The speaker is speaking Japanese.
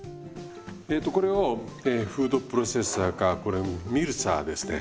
えとこれをフードプロセッサーかこれミルサーですね